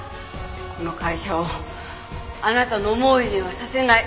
この会社をあなたの思うようにはさせない。